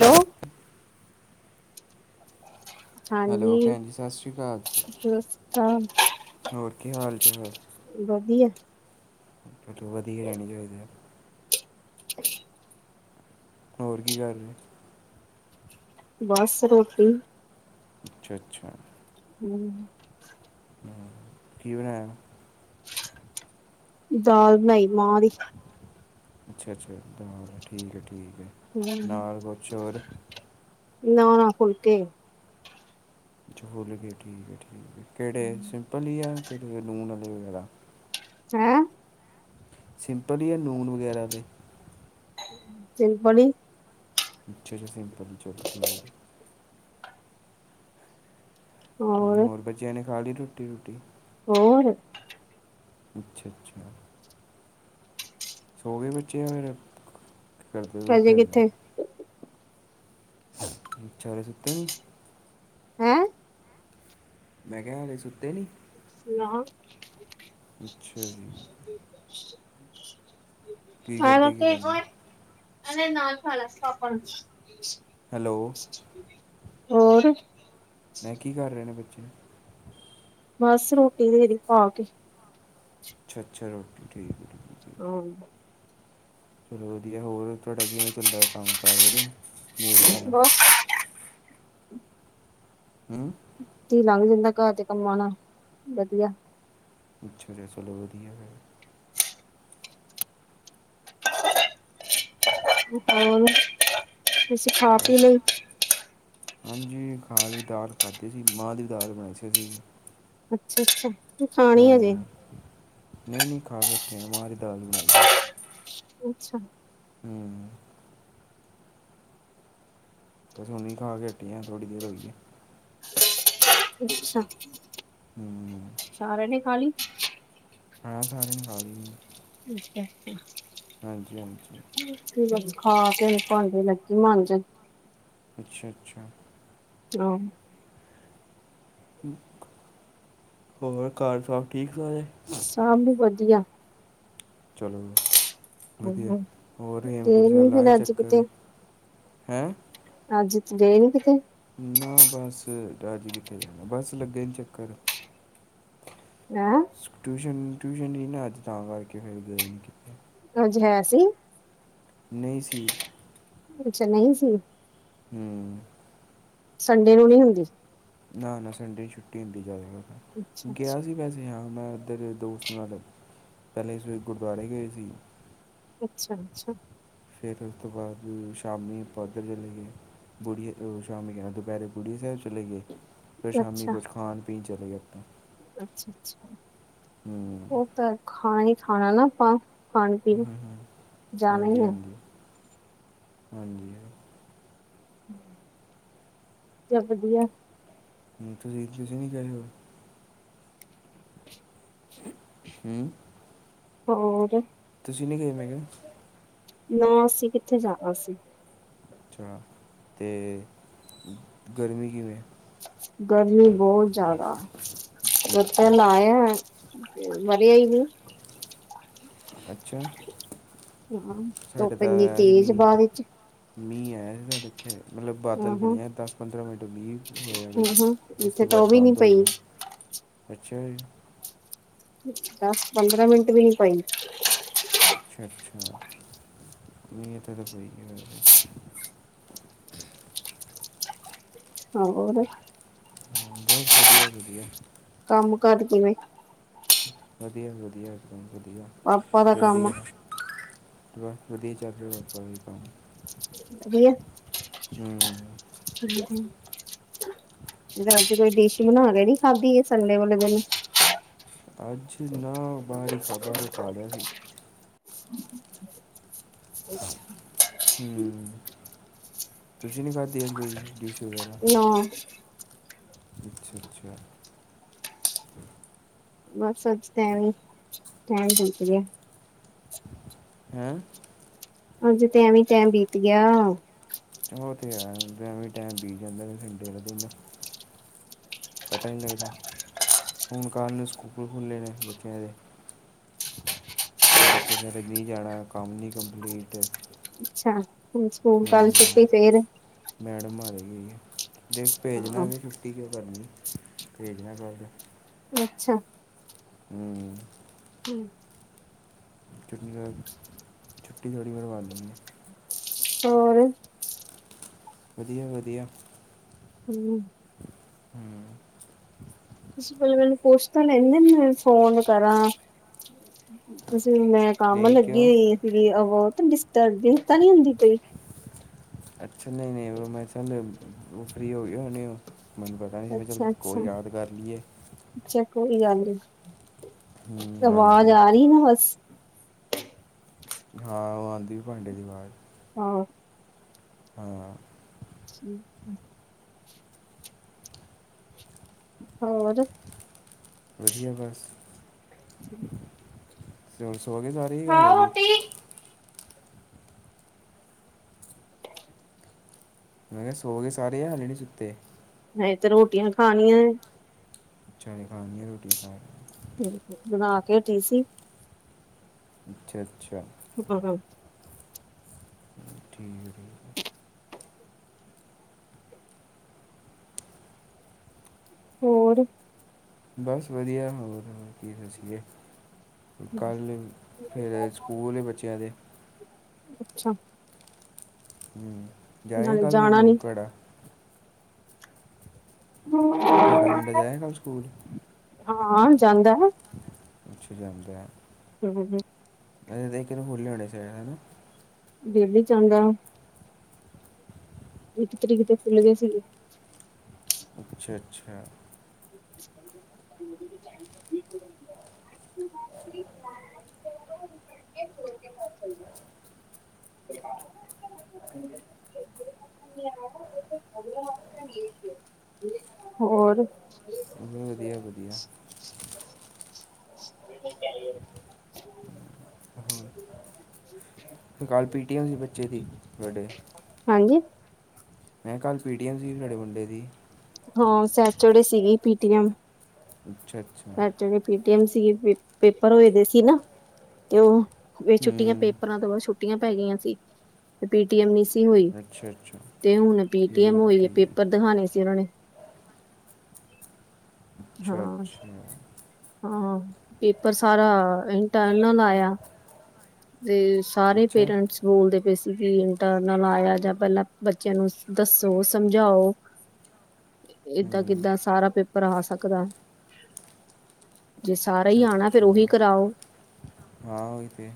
Hello. Hello ਹਾਂਜੀ ਭੈਣ ਜੀ ਸਤਿ ਸ਼੍ਰੀ ਅਕਾਲ [unintelligible] ਹੋਰ ਕੀ ਹਾਲ ਚਾਲ। ਵਧੀਆ। ਫੂਲ ਵਧੀਆ ਰਹਿਣੇ ਚਾਹੀਦੇ ਹੈ। ਹੋਰ ਕੀ ਕਰ ਰਹੇ ਹੋ। ਬਸ ਰੋਟੀ। ਅੱਛਾ ਅੱਛਾ। ਹੂੰ ਕੀ ਬਣਾਇਆ? ਦਾਲ ਬਣਾਈ ਮਾਹਾਂ ਦੀ। ਅੱਛਾ-ਅੱਛਾ ਦ ਠੀਕ ਐ ਠੀਕ ਐ ਨਾਲ ਕੁਛ ਹੋਰ? ਨਾ ਨਾ ਫੁਲ ਕੇ। ਚੋਲ ਹੈਗੇ ਠੀਕ ਐ ਠੀਕ ਐ ਕੇੜੇ ਸਿੰਪਲ ਹੀ ਆ ਕਿ ਲੂਣ ਵਾਲੇ ਵਗੈਰਾ? ਹੈਂ? ਸਿੰਪਲ ਈ ਐ ਨੂਣ ਵਗੈਰਾ ਦੇ? ਸਿੰਪਲ ਈ। ਅੱਛਾ ਜੀ ਸਿੰਪਲ ਈ ਚਲੋ ਠੀਕ ਐ। ਹੋਰ ਬੱਚਿਆਂ ਨੇ ਖਾਲੀ ਰੋਟੀ-ਰੂਟੀ? ਹੋਰ। ਅੱਛਾ-ਅੱਛਾ ਸੋਗੇ ਬੱਚੇ ਫਿਰ ਕਰਦੇ ਹਜੇ ਉੱਠੇ ਵੇ ਨੇ। ਕਿੱਥੇ ਅੱਛਾ ਹਲੇ ਸੁਤੇ ਨੀ। ਹੈਂ? ਮੈਂ ਕਿਆ ਹਜੇ ਸੁੱਤੇ ਨੀ। ਨਾ। ਅੱਛਾ ਜੀ ਕੀ [unintelligible] ਕਰਦੇ ਕੀ ਪਏ ਨੇ ਆ ਲੈ ਨਾਲ ਖਾਲੈ ਪਾਪਾ ਨਾਲ ਹੈਲੋ। ਹੋਰ? ਮੈਂ ਕੀ ਕਰ ਰੇ ਨੇ ਬੱਚੇ? ਬਸ ਰੋਟੀ ਦੇਰੀ ਪਾ ਕੇ। ਅੱਛਾ-ਅੱਛਾ ਰੋਟੀ ਦੇਰੀ ਠੀਕ। ਹੈ। ਠੀਕ ਹੈ। [unintelligible] ਚਲੋ ਵਧੀਆ ਹੋਰ ਤੁਹਾਡਾ ਕਿਵੇਂ ਚੱਲਦਾ ਕੰਮ ਕਾਰ ਵਧੀਆ। ਨੇਲਸ ਵਾਲਾ ਬੱਸ। ਹੂੰ। ਦੀ ਲੰਘ ਜਾਂਦਾ ਘਰ ਦੇ ਕੰਮਾਂ ਨਾਲ ਵਧੀਆ। ਪੁੱਛ ਲਿਆ ਚਲੋ ਵਧੀਆ ਫੇਰ। ਹੋਰ ਤੁਸੀ ਖਾ ਪੀ ਬਸ ਲਈ। ਹਾਂਜੀ ਖਾਲੀ ਦਾਲ ਖਾਧੀ ਸੀ ਮਾਂਹ ਦੀ ਦਾਲ ਬਣਾਈ ਸੀ ਅਸੀਂ ਵੀ। ਅੱਛਾ ਅੱਛਾ ਤੇ ਖਾਣੀ ਹਜੇ। ਹਾਂ ਨਹੀਂ ਨਹੀਂ ਖਾ ਬੈਠੇ ਆ ਮਾ ਦੀ ਦਾਲ ਬਣਾਈ ਸੀ। ਅੱਛਾ। ਹੂੰ। ਬਸ ਹੁਣੇ ਹੀ ਖਾ ਕੇ ਹਟੀ ਆ ਥੋੜੀ ਦੇਰ ਹੋਈ ਏ। ਅੱਛਾ ਹੂੰ ਸਾਰਿਆਂ ਨੇ ਖਾਲੀ। ਹਾਂ ਸਾਰਿਆਂ ਨੇ ਖਾਲੀ। ਅੱਛਾ ਅੱਛਾ। ਹਾਂਜੀ ਹਾਂਜੀ। ਹੂੰ ਖਾ ਕੇ ਭਾਂਡੇ ਲੱਗੀ ਮੰਜਣ। ਅੱਛਾ ਅੱਛਾ। [unintelligible] ਹੋਰ ਘਰ ਸਭ ਠੀਕ ਸਾਰੇ। ਸਭ ਵਧੀਆ। ਚਲੋ ਵਧੀਆ ਹੂੰ। ਹੋਰ ਹੇਮ ਕੁੰਡ ਗਏ ਨੀ ਸਾਹਿਬ ਲਾ ਆਏ ਫਿਰ ਅੱਜ ਕਿਤੇ ਚੱਕਰ। ਹੈਂ। ਅੱਜ ਤੇ ਗਏ ਨੀ ਕਿਤੇ। ਨਾ ਬੱਸ ਡਾਜੀ ਕਿੱਥੇ ਜਾਣਾ ਬੱਸ ਲੱਗਿਆ ਈ ਨੀ ਚੱਕਰ। ਹੈ ਟਿਊਸ਼ਨ-ਟਿਊਸ਼ਨ ਨੀ ਨਾ ਅੱਜ ਤਾਂ ਕਰਕੇ ਫਿਰ ਗਏ ਨੀ ਕਿਤੇ। ਅੱਜ ਹੈ ਸੀ। ਨਈ ਸੀ। ਅੱਛਾ ਨਈ ਸੀ। ਹੂੰ। ਸੰਡੇ ਨੂੰ ਨਹੀਂ ਹੁੰਦੀ। ਨਾ ਨਾ ਸੰਡੇ ਨੂੰ ਛੁੱਟੀ ਹੁੰਦੀ ਜ਼ਿਆਦਾ ਅੱਛਾ ਅੱਛਾ ਗਿਆ ਸੀ ਵੈਸੇ ਤੇ ਹਾਂ ਮੈਂ ਇੱਧਰ ਦੋਸਤ ਨਾਲ ਪਹਿਲੇ ਅਸੀ ਗੁਰੂਦਆਰੇ ਗਏ ਸੀ ਅੱਛਾ ਅੱਛਾ। ਫਿਰ ਉਸ ਤੋਂ ਬਾਅਦ ਸ਼ਾਮੀ ਆਪਾ ਓਧਰ ਚਲੇ ਗਏ। ਬੁੜੀ ਸ਼ਾਮੀ ਕ ਦੁਪਹਿਰੇ ਬੁੜੀ ਸਾਹਿਬ ਚਲੇ ਗਏ। ਫੇਰ ਸ਼ਾਮੀ ਅੱਛਾ ਕੁਛ ਖਾਣ ਪੀਣ ਚਲੇ ਗਏ ਆਪਾਂ। ਅੱਛਾ ਅੱਛਾ ਹੂੰ ਉਹ ਤਾਂ ਖਾਣਾ ਹੀ ਖਾਣਾ ਨਾ ਆਪਾਂ। ਖਾਣ ਪੀਣ ਜਾਣਾ ਹੀ ਹਾਂਜੀ ਹੈ। ਹਾਂਜੀ ਹਾਂਜੀ। ਹੂੰ, ਹੂੰ ਹੂੰ ਚੱਲ ਵਧੀਆ। [inaudible] ਹੂੰ। ਹੋਰ। ਤੁਸੀਂ ਨੀ ਗਏ ਮੈਂ ਕਿਹਾ। ਨਾ ਅਸੀਂ ਕਿੱਥੇ ਜਾਣਾ ਸੀ। ਅੱਛਾ ਤੇ ਗਰਮੀ ਕਿਵੇਂ। ਗਰਮੀ ਬਹੁਤ ਜ਼ਾਦਾ, ਅੱਛਾ [inaudible] ਅੱਛਾ ਲਾਇਆ ਹੋਇਐ। ਮਰਿਆ ਈ ਨੀ ਅੱਛਾ। ਹਾਂ, ਸਾਡੇ ਧੁੱਪ ਤਾਂ ਇੰਨੀ ਆਇਆ ਸੀ ਤੇਜ਼ ਮੀਂਹ ਬਾਅਦ ਵਿੱਚ। ਮੀਂਹ ਆਇਆ ਸੀ ਸਾਡੇ। ਐਥੇ ਮਤਲਬ ਬਾਦਲ ਆਹਾਂ ਬਣਿਆ, ਦਸ ਪੰਦਰਾਂ ਮਿੰਟ ਮੀਂਹ ਹੋਇਆ ਵੇ, ਆਹਾਂ ਉਸ ਇੱਥੇ ਤੋਂ ਤਾਂ ਬਾਅਦ ਉਹ ਵੀ ਨੀ ਬੰਦ ਹੋ ਪਈ ਗਿਆ। ਅੱਛਾ ਜੀ। ਇਥੇ ਤਾਂ ਦਸ ਪੰਦਰਾਂ ਮਿੰਟ ਵੀ ਨਹੀਂ ਪਈ। ਅੱਛਾ- ਅੱਛਾ, ਨਹੀਂ ਐਥੇ ਤਾਂ ਪਈ [inaudible] ਹਾਂ, ਹੋਰ ਬਸ ਵਧੀਆ- ਵਧੀਆ। ਕੰਮ- ਕਾਜ ਕਿਵੇਂ ਵਧੀਆ ਵੀ ਵਧੀਆ, ਇੱਕਦਮ ਵਧੀਆ, ਪਾਪਾ ਦਾ ਚੜਦੀ ਕੰਮ ਕਲਾ। ਬਸ ਵਧੀਆ ਚੱਲ ਰਿਹਾ ਆਪਣਾ ਵੀ ਕੰਮ। ਵਧੀਆ। ਹੂੰ। [unintelligible] ਜਦ ਅੱਜ ਕੋਈ ਡਿਸ਼ ਬਣਾ ਕੇ ਨੀ ਖਾਧੀ, ਇਹ ਸੰਡੇ ਵਾਲੇ ਦਿਨ। ਅੱਜ ਨਾ ਬਾਹਰ ਹੀ ਖਾਧਾ, ਖਾ ਲਿਆ ਸੀ। ਹੂੰ, ਤੁਸੀਂ ਨਹੀਂ ਖਾਧੀ ਅੱਜ ਕੋਈ ਡਿਸ਼ ਵਗੈਰਾ। ਹਾਂ, ਅੱਛਾ- ਅੱਛਾ। ਬਸ ਅੱਜ ਤਾਂ ਐਵੀਂ, ਟੈਮ ਬੀਤ ਗਿਆ। ਹੈਂ ਅੱਜ ਤੇ ਐਵੇਂ ਟੈਮ ਬੀਤ ਗਿਆ। ਉਹ ਤੇ ਹੈ, ਐਵੀਂ ਟੈਮ ਬੀਤ ਜਾਂਦਾ ਸੰਡੇ ਵਾਲੇ ਦਿਨ। ਪਤਾ ਈ ਨਹੀਂ ਲੱਗਦਾ। ਹੁਣ ਕੱਲ੍ਹ ਨੂੰ ਸਕੂਲ ਖੁੱਲ੍ਹੇ ਨੇ ਬੱਚਿਆਂ ਦੇ। ਬੱਚੇ ਕਹਿ ਰੇ ਨਹੀਂ ਜਾਣਾ, ਕੰਮ ਨੀ ਕੰਪਲੀਟ। ਅੱਛਾ, ਹੁਣ ਸਕੂਲ ਕੱਲ ਹੂੰ ਛੁੱਟੀ ਫੇਰ। ਮੈਡਮ ਆ ਗਈ ਏ, ਦੇਖ ਭੇਜਣਾ ਹਾਂ ਵੀ ਛੁੱਟੀ ਕਿਉ ਕਰਨੀ, ਭੇਜਣਾ ਕੱਲ। ਅੱਛਾ। ਹੂੰ। [unintelligible] ਛੁੱਟੀ [inaudible] ਛੁੱਟੀ ਥੋੜ੍ਹੀ ਮਰ ਵਾਲੀਏ। ਹੋਰ ਵਧੀਆ- ਵਧੀਆ। ਹੂੰ। ਹੂੰ। ਤੁਸੀਂ ਪਹਿਲਾ ਮੈਨੂੰ ਪੁੱਛ ਤਾਂ ਲੈਂਦੇ, ਮੈਂ ਫੋਨ ਕਰਾਂ, ਤੁਸੀਂ ਮੈਂ ਕੰਮ ਨਹੀਂ ਲੱਗੇ ਕਿਉਂ ਹੋਈ ਆ ਸੀ, ਆਹ ਬਹੁਤ ਡਿਸਟਰਬਿੰਸ ਤਾਂ ਨੀ ਹੁੰਦੀ ਪਈ। ਅੱਛਾ ਨਹੀਂ- ਨਹੀਂ, ਮੈਂ ਚੱਲ ਫਰੀ ਹੋਂਗੇ ਹੋਂਣੇ ਉਹ। ਮੈਨੂੰ ਪਤਾ ਨਹੀਂ ਸੀ, ਮੈਂ ਚੱਲ ਅੱਛਾ ਅੱਛਾ ਕੋਈ ਯਾਦ ਕਰ ਲੀਏ। ਅੱਛਾ ਕੋਈ ਗੱਲ ਨੀ ਹੂੰ ਆਵਾਜ਼, ਹਾਂਜੀ ਆ ਰਹੀ ਨਾ ਬਸ। ਹਾਂ, ਉਹ ਆਂਦੀ ਏ ਭਾਂਡੇ ਦੀ ਆਵਾਜ਼। ਹਾਂ, ਹਾਂ, ਠੀਕ ਐ। ਹੋਰ ਵਧੀਆ ਬਸ। ਚਲ ਸੋ ਗਏ ਸਾਰੇ ਹਾਝੇ ਨੀ? [inaudible] ਮੈਂ ਕਿਹਾ ਸੌ ਗਏ ਸਾਰੇ ਹਾਲੇ ਨੇਂ ਸੁੱਤੇ? ਹੱਜੇ ਤਾ ਰੋਟੀਆਂ ਖਾਣੀਆਂ। ਅੱਛਾ ਜੀ। ਖਾਣੀ ਆ ਰੋਟੀ ਸਾਰੇ ਹੂੰ ਹੂੰ, ਬਣਾ ਕੇ ਹਟੀਂ ਸੀ। ਅੱਛਾ ਅੱਛਾ। ਹੁਣ ਅਰ ਹਰ। ਠੀਕ ਹੈ। ਹੋਰ। ਬਸ ਵਧੀਆ, ਹੋਰ- ਹੋਰ ਕੀ ਦੱਸੀਏ। ਕੱਲ ਫਿਰ ਸਕੂਲ ਬੱਚਿਆਂ ਦੇ। ਅੱਛਾ। ਹੂੰ, ਜਾਏ ਨਾਲੇ ਕੱਲ ਫ਼ੇਰ ਜਾਣਾ ਨੀ ਮੂਨਕੇੜਾ। [inaudible] ਤੁਹਾਡਾ ਮੁੰਡਾ ਜਾਇਆ ਗਾ ਕੱਲ੍ਹ ਸਕੂਲ? ਹਾਂ-ਹਾ ਜਾਂਦਾ। ਕਿੱਥੇ ਜਾਂਦਾ ਐ। ਹੂੰ ਹੂੰ। ਐਵੇਂ ਦੇਖ ਕਿ ਖੁੱਲ੍ਹ ਜਾਣੇ ਚਾਹੀਦਾ ਹੈ ਨਾ। ਐ ਵੀ ਚੰਗਾ। ਇੱਕ ਤਰੀਕ ਤੇ ਖੁੱਲ ਗਏ ਸੀਗੇ। ਅੱਛਾ ਅੱਛਾ। [inaudible] ਹੋਰ ਉਹ ਵਧੀਆ ਵਧੀਆ। ਹੋਰ ਕੱਲ ਪੀਟੀਐਮ ਸੀ ਬੱਚੇ ਦੀ, ਵੱਡੇ ਹਾਂਜੀ। ਮੈਂ ਕੱਲ ਪੀਟੀਐਮ ਸੀ ਤੁਹਾਡੇ ਮੁੰਡੇ ਦੀ ਹਾਂ। ਸੈਨਚੂਰੀ ਸੀਗੀ ਪੀਟੀਐਮ। ਅੱਛਾ ਜੀ। ਏਲਚੀ ਪੀਟੀਐਮ ਸੀ। ਪੇਪਰ ਹੋਏ ਪੇ ਸੀ ਨਾ ਤੇ ਵੇ ਛੁੱਟੀਆਂ ਹੂੰ ਪੇਪਰਾਂ ਤੋਂ ਬਾਅਦ ਛੁੱਟੀਆਂ ਪੈ ਗਈਆਂ ਸੀ। ਪੀਟੀਐਮ ਨਹੀਂ ਸੀ ਹੋਈ। ਅੱਛਾ ਅੱਛਾ ਤੇ ਹੁਣ ਪੀਟੀਐਮ ਠੀਕ ਹੋਈ ਹੈ। ਪੇਪਰ ਠੀਕ ਦਿਖਾਉਣੇ ਸੀ ਉਹਨਾਂ ਨੇ। [inaudible] ਅੱਛਾ ਅੱਛਾ। ਆ ਪੇਪਰ ਸਾਰਾ ਇੰਟਰਨਲ ਆਇਆ। ਤੇ ਸਾਰੇ ਏ ਅੱਛਾ ਪੇਰੈਂਟਸ ਬੋਲਦੇ ਪਏ ਸੀ। ਕਿ ਇੰਟਰਨਲ ਆਇਆ ਜਾਂ ਪਹਿਲਾਂ ਬੱਚਿਆਂ ਨੂੰ ਦੱਸੋ ਸਮਝਾਓ। [inaudible] ਇਦਾਂ ਹੂੰ ਕਿੱਦਾਂ ਸਾਰਾ ਪੇਪਰ ਆ ਸਕਦਾ। ਜੇ ਸਾਰੇ ਹੀ ਅੱਛਾ ਆਣਾ ਫਿਰ ਉਹੀ ਅੱਛਾ ਕਰਾਓ। ਹਾਂ ਉਹੀ ਤੇ।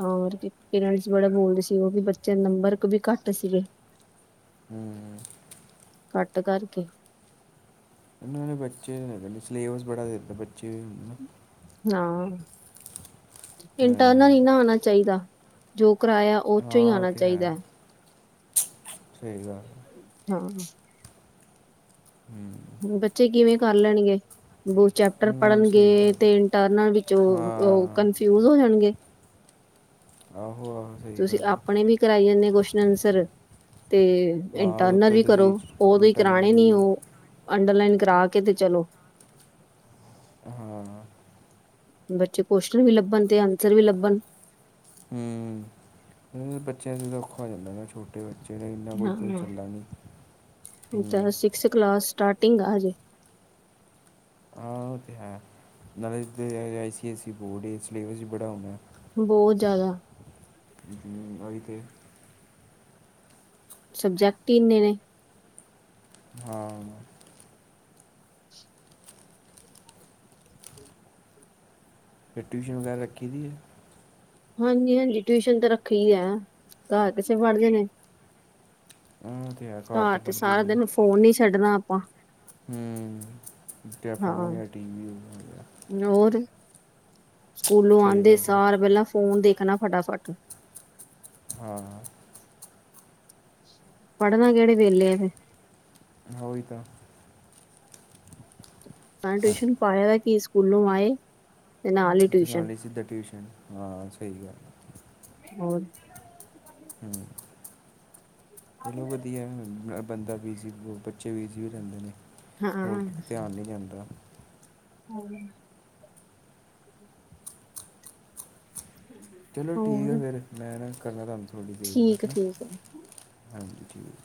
ਹਾਂ। ਤਾਂ ਪਰੈਂਟਸ ਬੜਾ ਬੋਲਦੇ ਸੀ। ਉਹ ਵੀ ਬੱਚੇ ਨੰਬਰ ਕੋ ਵੀ ਘੱਟ ਸੀਗੇ। ਹੂੰ ਘੱਟ ਕਰਕੇ। ਏ ਬੱਚੇ ਨੇ, ਸਿਲੇਬਸ ਬੜਾ ਦਿੱਤਾ ਬੱਚੇ ਨੂੰ ਨਾਂ। ਹਾਂ। ਇੰਟਰਨਲ ਹਾਂ ਇਨਾ ਆਉਣਾ ਚਾਹੀਦਾ। ਜੋ ਕਰਾਇਆ ਉਹ ਉਚੋ ਹੀ ਹਾਂ ਉਹ ਆਉਣਾ ਤੇ ਚਾਹੀਦਾ ਹੈ। ਸਹੀ ਗੱਲ ਐ। ਹਾਂ। ਹੂੰ ਬੱਚੇ ਕਿਵੇਂ ਕਰ ਲੈਣਗੇ? ਉਹ ਚੈਪਟਰ ਹੂੰ ਸਹੀ ਪੜ੍ਹਨਗੇ ਗੱਲ ਤੇ ਹੈ। ਇੰਟਰਨਲ ਵਿੱਚੋਂ ਉਹ ਕੰਨਫਿਊਜ ਹੋ ਜਾਣਗੇ। ਸ। ਆਹੋ ਆਹੋ ਸਹੀ। ਤੁਸੀਂ ਆਪਣੇ ਵੀ ਕਰਾਈ ਜਾਂਦੇ ਕੋਸ਼ਚਨ ਆਨਸਰ ਤੇ ਹਾਂ ਏ। ਉਹਦੇ ਟਰਨਲ ਉੱਤੇ ਵੀ ਕਰੋ ਤੁਸੀਂ ਓਹਦੋਂ ਹੀ ਕਰਾਣੇ ਇੰਟਰਨਲ ਨੀ ਵੀ ਉਹ ਅੰਡਰਲਾਈਨ ਕਰਾ ਕੇ ਤੇ ਚਲੋ। ਹਾਂ ਬੱਚੇ ਕੁਸ਼ਚਨ ਵੀ ਲੱਭਣ ਤੇ ਆਨਸਰ ਵੀ ਲੱਭਣ। ਹੂੰ ਬੱਚਿਆਂ ਦਾ ਔਖਾ ਹੋ ਜਾਂਦਾ ਨਾ ਛੋਟਾ। ਛੋਟੇ ਬੱਚੇ ਨੇ ਇੰਨਾ ਕੋਈ ਹਾਂ ਚੱਲਦਾ ਨੀ ਹਮ। ਇਸ ਕਲਾਸ ਸਟਾਰਟਿੰਗ ਆ ਅਜੇ। ਹਾਂ ਉਹ ਤਾਂ ਹੈ ਨਾਲੇ ਤੇ ਇੱਥੇ I C S E board ਹੈ ਸਿਲੇਬਸ ਹੀ ਬੜਾ ਹੋਣਾ। ਬਹੁਤ, ਜ਼ਿਆਦਾ। ਹਮ ਤਾਂ ਹੀ ਤੇ। ਸਬਜੈਕਟ ਹੀ ਇੰਨੇ ਨੇ। ਹਾਂ। ਫਿਰ, ਟਿਊਸ਼ਨ ਵਗੈਰਾ, ਰੱਖੀ ਦੀ ਹੈ। ਹਾਂਜੀ, ਹਾਂਜੀ, ਟਿਊਸ਼ਨ ਤਾਂ ਰੱਖੀ ਹੈ। ਘਰ ਕਿਥੇ ਪੜ੍ਹਦੇ ਨੇ। ਉਹ, ਤੇ ਹੈ। ਘਰ ਤਾਂ, ਪੜ੍ਹਦੇ ਲਈ। ਫ਼ੋਨ ਨਹੀਂ ਛੱਡਣਾ ਆਪਾਂ। ਹਮ, ਜਾਂ ਹਾਂ ਫੋਨ, ਜਾਂ ਟੀਵੀ ਹੋ। ਹੋਰ ਸਕੂਲੋਂ ਸਹੀ ਆਉਂਦੇ ਗੱਲ ਹੈ ਸਾਰ ਪਹਿਲਾਂ ਫੋਨ ਦੇਖਣਾ ਫਟਾਫਟ। ਹਾਂ ਅ। ਪੜਨਾ ਕਿਹੜੇ ਵੇਲੇ ਆ ਫਿਰ। ਹਾਂ ਉਹੀ ਤਾਂ। ਮੈ ਟਿਊਸ਼ਨ ਪਾਇਆ ਕੀ ਸਕੂਲੋਂ ਆਏ। ਤੇ ਨਾਲ ਹੀ ਟਿਊਸ਼ਨ ਨਾਲ਼ੇ ਸਿੱਧਾ ਟਿਊਸ਼ਨ ਹਾਂ ਸਹੀ ਗੱਲ। ਹੋਰ ਕਿ। ਹਮਮ। ਬਹੁਤ ਵਧੀਆ ਬੰਦਾ ਬਿਜ਼ੀ ਬ ਬੱਚੇ ਬਿਜ਼ੀ ਹੋ ਜਾਂਦੇ ਨੇ। ਹੋਰ ਹਾਂ ਕਿਤੇ ਧਿਆਨ ਨੀ ਜਾਂਦਾ। ਹਮ ਮ। ਚਲੋ, ਠੀਕ ਹੈ। ਹੋਰ ਫਿਰ, ਮੈਂ ਨਾ ਕਰਨਾ ਤੁਹਾਨੂੰ ਥੋੜ੍ਹੀ ਦੇਰ ਠੀਕ ਨਾਲ। ਠੀਕ ਹੈ ਹਾਂਜੀ, ਠੀਕ